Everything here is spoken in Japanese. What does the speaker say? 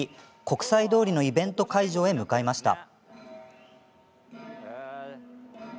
国際通りのイベント会場へ向かいました。